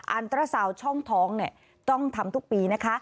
อันตราซาวช่องท้องต้องทำทุกปีนะคะ